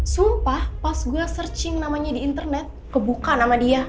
sumpah pas gue searching namanya di internet kebuka nama dia dia itu mantan apa